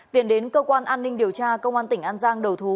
tiến đến cơ quan an ninh điều tra công an tỉnh an giang đầu thú